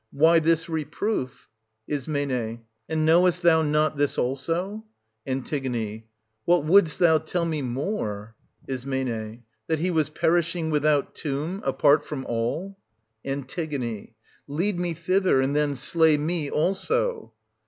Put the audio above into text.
Why this reproof? Is. And knowest thou not this also — An. What wouldst thou tell me more ?— Is. That he was perishing without tomb, apart from all? An. Lead me thither, and then slay me also.